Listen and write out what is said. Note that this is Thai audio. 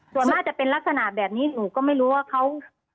ส่วนมากจะเป็นลักษณะแบบนี้หนูก็ไม่รู้ว่าเขา